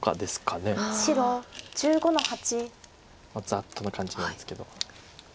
ざっとの感じなんですけど。